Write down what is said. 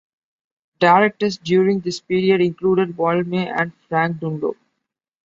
Directors during this period included Val May and Frank Dunlop.